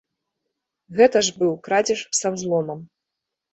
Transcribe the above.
Гэта ж быў крадзеж са ўзломам.